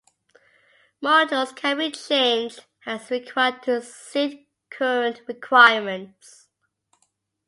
Modules can be changed as required to suit current requirements.